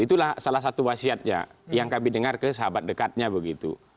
itulah salah satu wasiatnya yang kami dengar ke sahabat dekatnya begitu